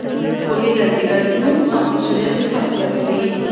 پوهېدل د ګډون او مسؤلیت احساس زیاتوي.